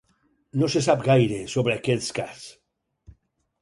No se sap gaire sobre aquest cas.